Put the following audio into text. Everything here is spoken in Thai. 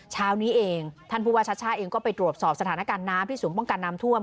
เช้านี้เองท่านผู้ว่าชัชช่าเองก็ไปตรวจสอบสถานการณ์น้ำที่ศูนย์ป้องกันน้ำท่วม